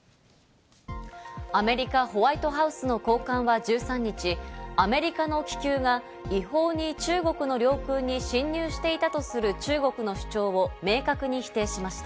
アメリカ・ホワイトハウスの高官は１３日、アメリカの気球が違法に中国の領空に侵入していたとする、中国の主張を明確に否定しました。